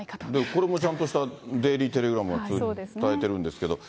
これもちゃんとしたデイリー・テレグラフが伝えてるんですけれども。